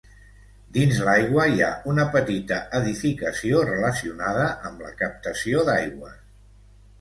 Dins l'aigua hi ha una petita edificació relacionada amb la captació d'aigües.